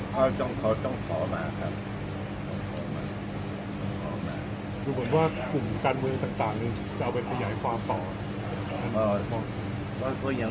เขาต้องเขาต้องขอมาครับถูกเหมือนว่ากุมการเมื่อการต่างนึง